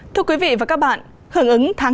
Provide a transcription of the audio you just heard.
thưa quý vị và các bạn